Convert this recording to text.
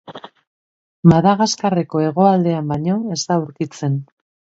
Madagaskarreko hegoaldean baino ez da aurkitzen.